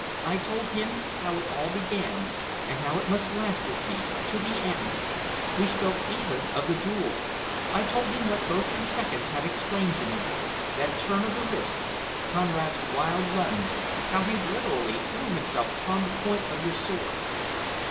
"I told him how it all began, and how it must last with me to the end. We spoke even of the duel. I told him what both your seconds had explained to me, that turn of the wrist, Conrad's wild lunge, how he literally threw himself upon the point of your sword.